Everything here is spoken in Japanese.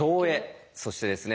そしてですね